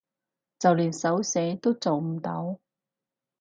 就連手寫都做唔到